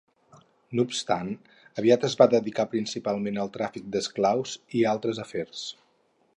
No obstant aviat es va dedicar principalment al tràfic d'esclaus i altres afers.